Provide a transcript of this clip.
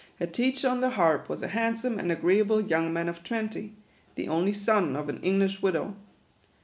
Her teacher on the harp was a handsome and agreeable young man of twenty, the only son of an English widow.